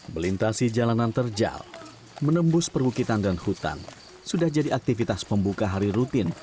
melintasi jalanan terjal menembus perbukitan dan hutan sudah jadi aktivitas pembuka hari rutin